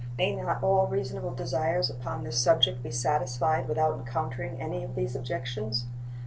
May not all reasonable desires upon this subject be satisfied without encountering any of these objections?